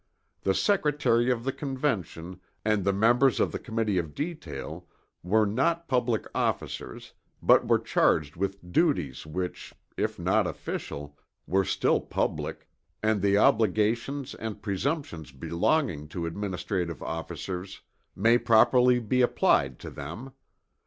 The Secretary of the Convention and the members of the Committee of Detail were not public officers but were charged with duties which, if not official, were still public, and the obligations and presumptions belonging to administrative officers may properly be applied to them.